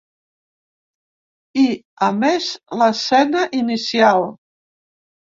I, a més, l'escena inicial.